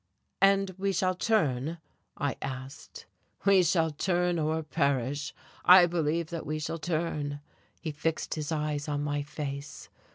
"And we shall turn?" I asked. "We shall turn or perish. I believe that we shall turn." He fixed his eyes on my face.